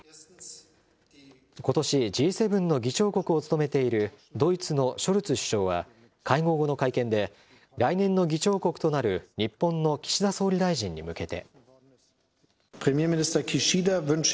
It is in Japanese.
ことしＧ７の議長国を務めているドイツのショルツ首相は、会合後の会見で、来年の議長国となる日本の岸田総理大臣に向けて。